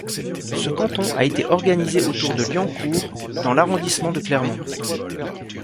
Ce canton a été organisé autour de Liancourt dans l'arrondissement de Clermont.